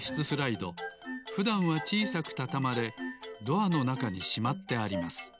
スライドふだんはちいさくたたまれドアのなかにしまってあります。